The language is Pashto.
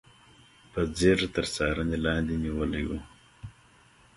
په ځیر تر څارنې لاندې نیولي و.